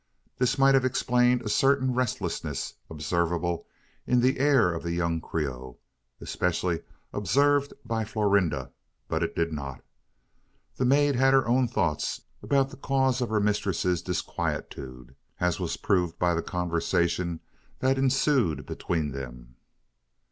This might have explained a certain restlessness observable in the air of the young Creole especially observed by Florinda; but it did not. The maid had her own thoughts about the cause of her mistress's disquietude as was proved by the conversation that ensued between them.